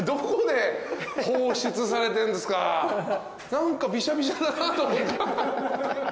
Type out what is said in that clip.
何かびしゃびしゃだなと。